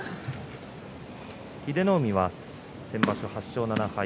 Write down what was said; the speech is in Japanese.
英乃海は先場所８勝７敗